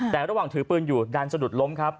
แต่ระหว่างถือปืนอยู่ดันสะดุดล้มครับ